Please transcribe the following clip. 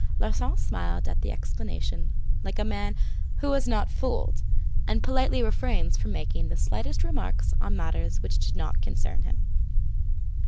Larsan smiled at the explanation like a man who was not fooled and politely refrains from making the slightest remark on matters which did not concern him.